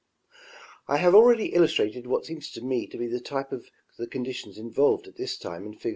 I have already illustrated what seems to me to be the type of the conditions involved at this time in figs.